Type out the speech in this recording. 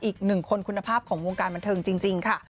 อีกหนึ่งคนคุณภาพของวงการบันเทิงจริงค่ะ